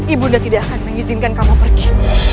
ibu nda tidak akan mengizinkan kamu pergi